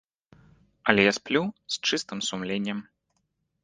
Але я сплю з чыстым сумленнем.